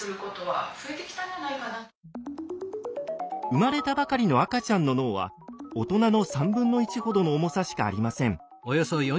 生まれたばかりの赤ちゃんの脳は大人の３分の１ほどの重さしかありません。